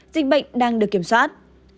dịch bệnh đang được kiểm soát